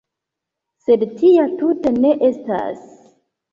Sed tia tute ne estas.